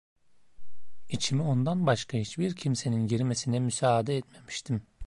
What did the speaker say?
İçime ondan başka hiçbir kimsenin girmesine müsaade etmemiştim.